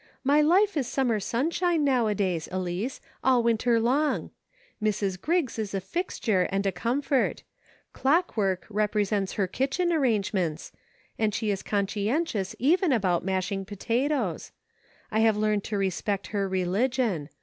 My life is summer sunshine, nowadays, Elice, all winter long. Mrs. Griggs is a fixture and a comfort ; clock work represents her kitchen arrangements, and she is conscientious even about mashing potatoes ; I have learned to respect her religion.